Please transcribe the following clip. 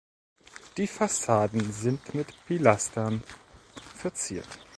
Die Fassaden sind mit Pilastern verziert.